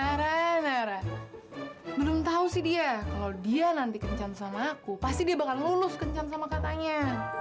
nara nara belum tahu sih dia kalau dia nanti kencam sama aku pasti dia bakal lulus kencam sama katanya